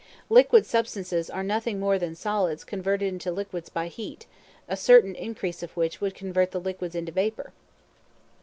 Liquid substances are nothing more than solids converted into liquids by heat, a certain increase of which would convert the liquids into vapor.